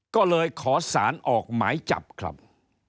ก็เลยขอสารออกหมายจับครับ